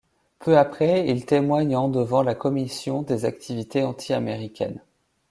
Peu après, il témoigne en devant la commission des activités anti-américaines.